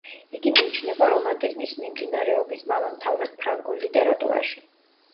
იგი მიიჩნევა რომანტიზმის მიმდინარეობის მამამთავრად ფრანგულ ლიტერატურაში.